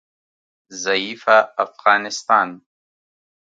ضعیفه افغانستان